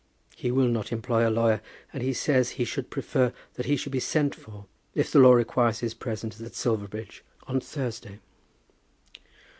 He will not employ a lawyer, and he says that he should prefer that he should be sent for, if the law requires his presence at Silverbridge on Thursday."